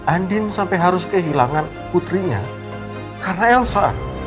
andin sampai harus kehilangan putrinya karena elsa